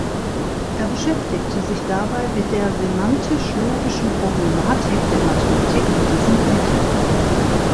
Er beschäftigte sich dabei mit der semantisch-logischen Problematik der Mathematik in diesen Fächern.